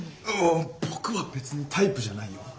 おっ僕は別にタイプじゃないよ。